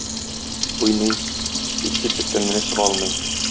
Уйный, тик читлектән генә чыга алмый.